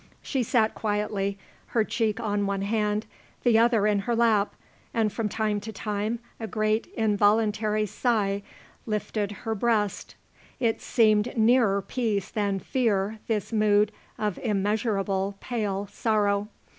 She sat quietly, her cheek on one hand, the other in her lap, and from time to time a great involuntary sigh lifted her breast. It seemed nearer peace than fear, this mood of immeasurable, pale sorrow.